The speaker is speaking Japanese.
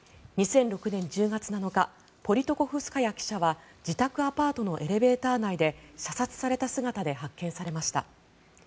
２００６年１０月７日ポリトコフスカヤ記者は自宅アパートのエレベーター内で射殺された姿で発見されました。